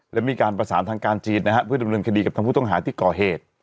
และมีการประสานทางการจีนนะฮะเพื่อดำเนินคดีกับทางผู้ต้องหาที่ก่อเหตุ